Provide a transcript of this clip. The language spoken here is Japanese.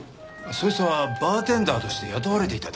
そいつはバーテンダーとして雇われていただけだ。